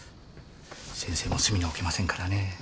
先生も隅に置けませんからね。